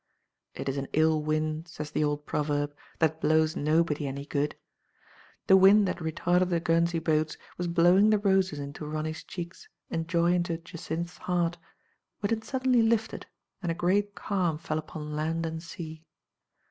It is an ill wind, says the old proverb, that blows nobody any good. The wind that retarded the Guernsey boats was blowing the roses into Ron ny*s cheeks and joy into Jacynth*s heart, when it suddenly lifted and a great calm fell upon land and sea.